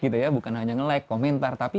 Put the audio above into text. gitu ya bukan hanya nge like komentar tapi